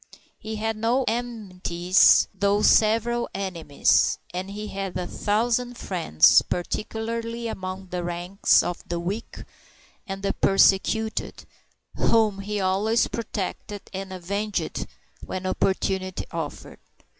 He had no enmities though several enemies and he had a thousand friends, particularly among the ranks of the weak and the persecuted, whom he always protected and avenged when opportunity offered.